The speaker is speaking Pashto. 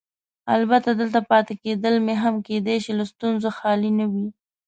البته دلته پاتې کېدل مې هم کیدای شي له ستونزو خالي نه وي.